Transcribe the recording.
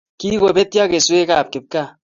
Kikobetyo keswekab kipkaa